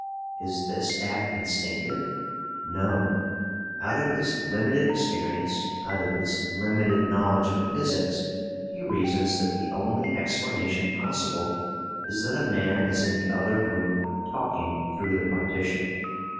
Is this act instinctive? No. Out of his limited experience, out of his limited knowledge of physics, he reasons that the only explanation possible is that a man is in the other room talking through the partition.